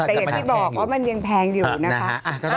แต่อย่างที่บอกว่ามันยังแพงอยู่นะคะ